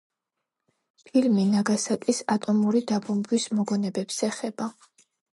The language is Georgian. ფილმი ნაგასაკის ატომური დაბომბვის მოგონებებს ეხება.